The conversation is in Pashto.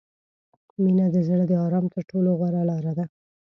• مینه د زړه د آرام تر ټولو غوره لاره ده.